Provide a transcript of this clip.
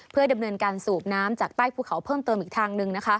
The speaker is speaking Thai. เพื่อดำเนินการสูบน้ำจากใต้ภูเขาเพิ่มเติมอีกทางหนึ่ง